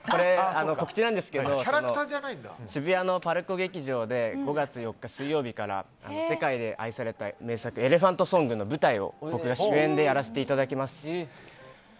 告知なんですけど渋谷のＰＡＲＣＯ劇場で５月４日水曜日から世界で愛された名作「エレファント・ソング」の舞台を僕が主演でやらせていただきます。